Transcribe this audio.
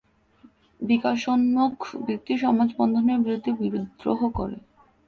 বিকাশোন্মুখ ব্যক্তির সমাজ-বন্ধনের বিরুদ্ধে বিদ্রোহ করে।